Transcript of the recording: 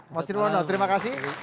mas nirwono terima kasih